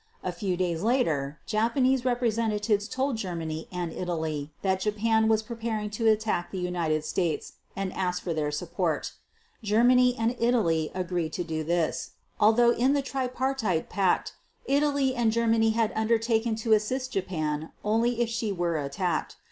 A few days later, Japanese representatives told Germany and Italy that Japan was preparing to attack the United States, and asked for their support. Germany and Italy agreed to do this, although in the Tripartite Pact, Italy and Germany had undertaken to assist Japan only if she were attacked.